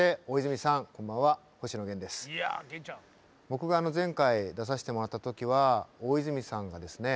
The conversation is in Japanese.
僕があの前回出させてもらった時は大泉さんがですね